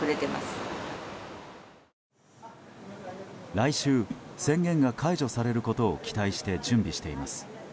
来週、宣言が解除されることを期待して準備しています。